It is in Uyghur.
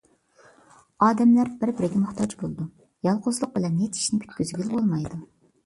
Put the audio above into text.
ئادەملەر بىر - بىرىگە موھتاج بولىدۇ. يالغۇزلۇق بىلەن ھېچ ئىشنى پۈتكۈزگىلى بولمايدۇ.